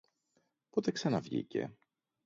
Πότε ξαναβγήκε;